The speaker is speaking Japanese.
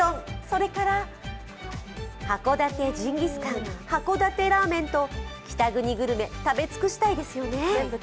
それから、函館ジンギスカン、函館ラーメンと北国グルメ食べ尽くしたいですよね。